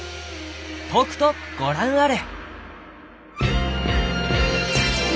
とくとご覧あれ！